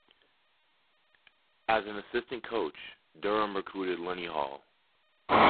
As an assistant coach, Durham recruited Lenny Hall.